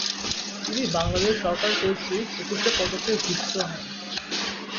তিনি বাংলাদেশ সরকার কর্তৃক একুশে পদকে ভূষিত হন।